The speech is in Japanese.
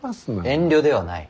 遠慮ではない。